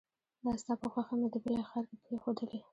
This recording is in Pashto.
دا ستا په خوښه مې د بلې ښار کې پريښودلې